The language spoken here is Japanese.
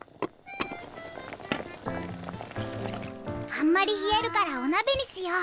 あんまり冷えるからお鍋にしよう。